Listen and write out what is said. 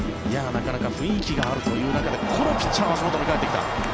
なかなか雰囲気があるという中でこのピッチャー足元に返ってきた。